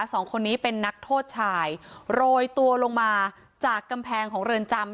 สองคนนี้เป็นนักโทษชายโรยตัวลงมาจากกำแพงของเรือนจำ